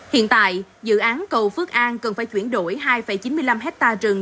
hiện tại dự án cầu phước an cần phải chuyển đổi hai chín mươi năm hectare rừng